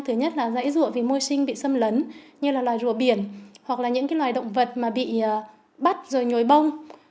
thứ nhất là dãy rụa vì môi sinh bị xâm lấn như là loài rùa biển hoặc là những loài động vật mà bị bắt rồi nhồi bông